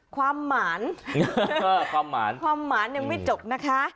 หมานความหมานความหมานยังไม่จบนะคะ